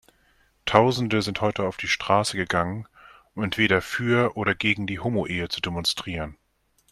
Tausende sind heute auf die Straße gegangen, um entweder für oder gegen die Homoehe zu demonstrieren.